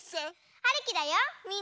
はるきだよみんなげんき？